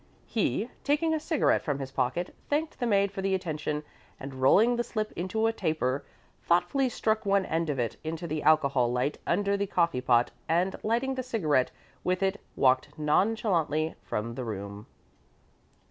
He, taking a cigarette from his pocket, thanked the maid for the attention, and rolling the slip into a taper, thoughtfully stuck one end of it into the alcohol light under the coffee pot, and lighting the cigarette with it, walked nonchalantly from the room.